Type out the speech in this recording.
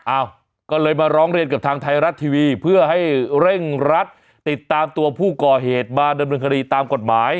อ้าวก็เลยมาร้องเรียนกับทางไทยรัฐทีวีเพื่อให้เร่งรัดติดตามตัวผู้ก่อเหตุมาดำเนินคดีตามกฎหมาย